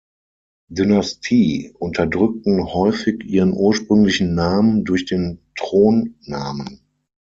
Dynastie unterdrückten häufig ihren ursprünglichen Namen durch den Thronnamen.